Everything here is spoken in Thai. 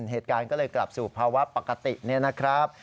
เหตุการณ์ก็เลยกลับสู่ภาวะปกติเนี่ยนะครับ